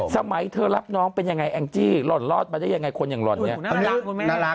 สมัยเธอรับน้องเป็นยังไงแอ้นจี่รอดลอดอย่างไรคนยังรอดกับมีนั่งนาราก